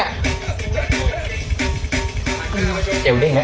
เอาเจลเด้งแหละ